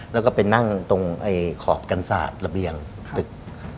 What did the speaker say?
แล้วก็ไปนั่งตรงขอบกันศาสตร์ระเบียงตึก